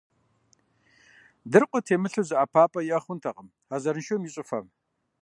Дыркъуэ темылъу зы ӀэпапӀэ иӀэ хъунтэкъым а зэраншум и щӀыфэм.